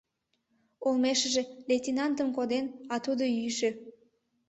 Олмешыже лейтенантым коден, а тудо йӱшӧ.